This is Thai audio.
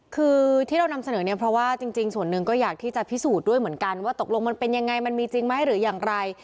คือที่เรานำเสนอเนี่ยเพราะว่าจริงส่วนหนึ่งก็อยากที่จะพิสูจน์ด้วยเหมือนกันว่าตกลงมันเป็นยังไงมันมีจริงไหมหรืออย่างไร